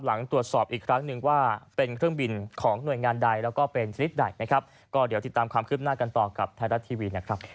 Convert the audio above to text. หลังตรวจสอบอีกครั้งหนึ่งว่าเป็นเครื่องบินของหน่วยงานใดแล้วก็เป็นชนิดใดนะครับก็เดี๋ยวติดตามความคืบหน้ากันต่อกับไทยรัฐทีวีนะครับ